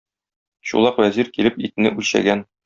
Чулак вәзир килеп итне үлчәгән.